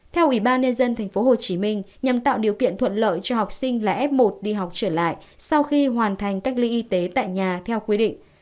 theo ubnd tp hcm nhằm tạo điều kiện thuận lợi cho học sinh là f một đi học trở lại sau khi hoàn thành cách ly y tế tại nhà theo quy định